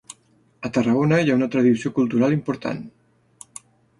A Tarragona hi ha una tradició cultural important.